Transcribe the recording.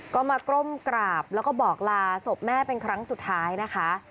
ก็มาก้มกราบแล้วก็บอกลาศพแม่เป็นครั้งสุดท้ายนะคะ